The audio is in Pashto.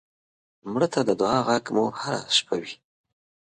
مړه ته د دعا غږ مو هر شپه وي